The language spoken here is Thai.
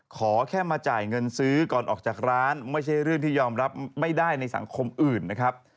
ขอแค่มาจ่ายเงินซื้อก่อนออกจากร้านไม่ใช่เรื่องที่ยอมรับไม่ได้ในสังคมอื่นนะครับ